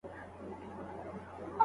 دا کیسه د ښځو له احساساتو ډکه ده.